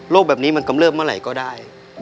แบบนี้มันกำเริบเมื่อไหร่ก็ได้